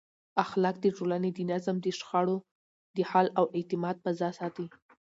اخلاق د ټولنې د نظم، د شخړو د حل او د اعتماد فضا ساتي.